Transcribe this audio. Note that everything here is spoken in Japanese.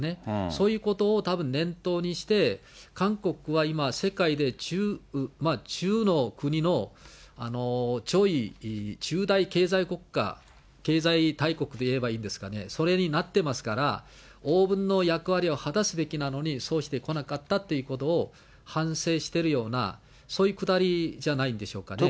そういうことをたぶん、念頭にして、韓国は今、世界で１０の国の上位１０大経済国家、経済大国って言えばいいんですかね、それになってますから、応分の役割を果たすべきなのに、そうしてこなかったっていうことを反省してるような、そういうくだりじゃないんでしょうかね。